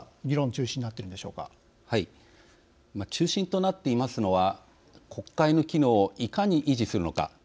中心となっていますのは中心となっているのは国会の機能をいかに維持するのか。